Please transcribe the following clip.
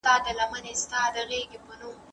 د شیدو د څښلو اندازه باید معتدله وي.